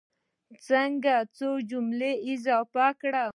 څنګه څو جملې اضافه کړم.